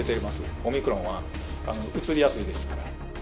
オミクロンはうつりやすいですから。